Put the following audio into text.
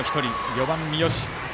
４番、三好。